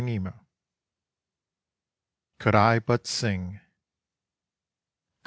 * COULD I BUT SING.